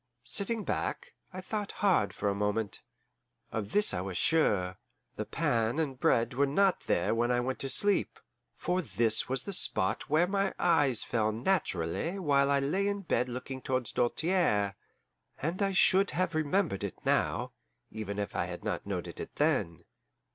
Sitting back, I thought hard for a moment. Of this I was sure: the pan and bread were not there when I went to sleep, for this was the spot where my eyes fell naturally while I lay in bed looking towards Doltaire; and I should have remembered it now, even if I had not noted it then.